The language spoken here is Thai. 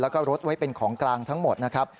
แล้วก็รถไว้เป็นของกลางทั้งหมดนะครับ